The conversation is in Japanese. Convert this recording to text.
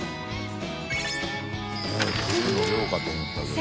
佑ルーの量かと思ったけど。